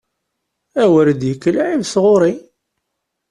A wer d-yekk lɛib sɣur-i!